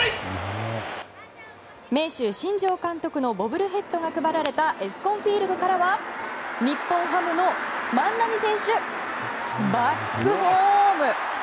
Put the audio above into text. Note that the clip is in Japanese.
盟主、新庄監督のボブルヘッドが配られたエスコンフィールドからは日本ハムの万波選手バックホーム！